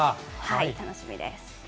楽しみです。